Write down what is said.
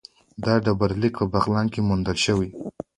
دا ډبرلیک په بغلان کې موندل شوی